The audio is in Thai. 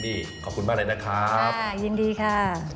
นี่ขอบคุณมากเลยนะครับค่ะยินดีค่ะ